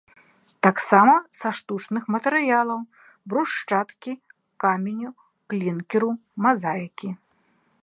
Таксама са штучных матэрыялаў: брусчаткі, каменю, клінкеру, мазаікі